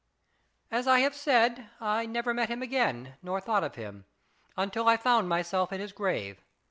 As I have said, I never met him again, nor thought of him, until I found myself at his grave.